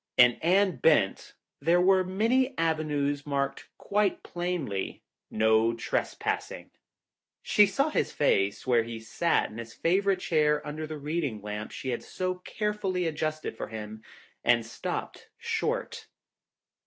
In Anne Bent there were many avenues marked quite plainly "No Trespassing." She saw his face, where he sat in his favorite chair under the reading lamp she had so care fully adjusted for him, and stopped short.